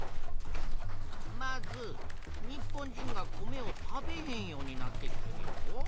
まず日本人が米を食べへんようになってきてるやろ。